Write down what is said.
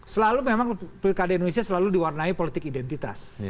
selalu memang pilkada indonesia selalu diwarnai politik identitas